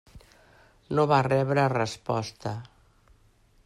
No va rebre resposta.